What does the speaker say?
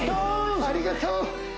ありがとう！